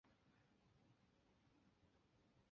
现任校长是彭绮莲。